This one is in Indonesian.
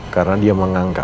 karena dia menganggap